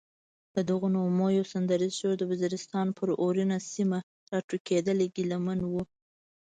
ددغو نغمو یو سندریز شور د وزیرستان پر اورنۍ سیمه راټوکېدلی ګیله من و.